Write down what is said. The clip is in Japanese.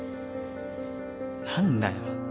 何だよ？